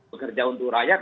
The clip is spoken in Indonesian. bekerja untuk rakyat